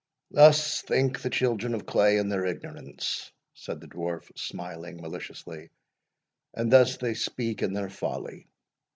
"Thus think the children of clay in their ignorance," said: the Dwarf, smiling maliciously, "and thus they speak in their folly.